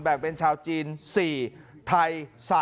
แบ่งเป็นชาวจีน๔ทัย๓